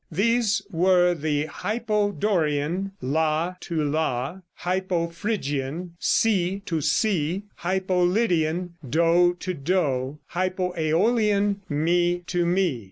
These were the Hypo Dorian, la to la; Hypo Phrygian, si to si; Hypo Lydian, do to do; Hypo Æolian, mi to mi.